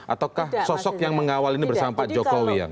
ataukah sosok yang mengawal ini bersama pak jokowi